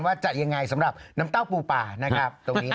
ว่าจะยังไงสำหรับน้ำเต้าปูป่านะครับตรงนี้